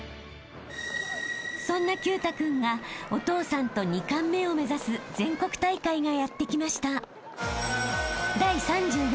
［そんな毬太君がお父さんと２冠目を目指す全国大会がやって来ました］